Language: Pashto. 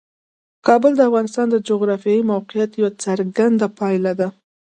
کابل د افغانستان د جغرافیایي موقیعت یوه څرګنده پایله ده.